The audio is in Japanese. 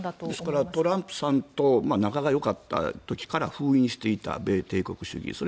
ですから、トランプさんと仲がよかった時から封印していた米帝国主義。